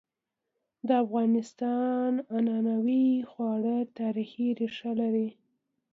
د افغانستان عنعنوي خواړه تاریخي ريښه لري.